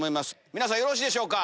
皆さんよろしいでしょうか。